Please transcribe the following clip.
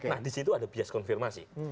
nah disitu ada bias konfirmasi